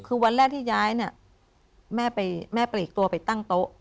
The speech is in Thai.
คือวันแรกที่ย้ายเนี่ยแม่ปลีกตัวไปตั้งโต๊ะ